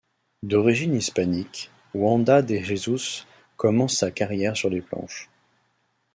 D'origine hispanique, Wanda De Jesús commence sa carrière sur les planches.